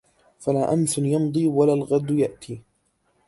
فلا أَمس يمضي ولا الغَدُ يأتي